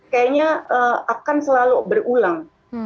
kayaknya akan selalu berulang